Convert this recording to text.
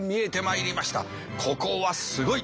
ここはすごい。